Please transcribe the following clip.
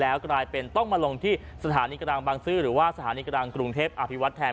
แล้วกลายเป็นต้องมาลงที่สถานีกลางบางซื่อหรือว่าสถานีกลางกรุงเทพอภิวัตแทน